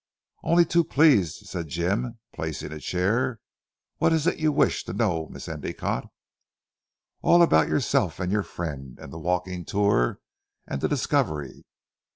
"Only too pleased," said Jim placing a chair. "What is it you wish to know Miss Endicotte?" "All about yourself and your friend, and the walking tour, and the discovery."